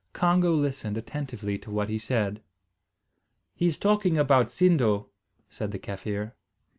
Congo listened attentively to what he said. "He's talking about Sindo," said the Kaffir.